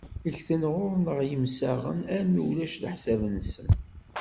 Ggten ɣur-neɣ yemsaɣen armi ulac leḥsab-nsen.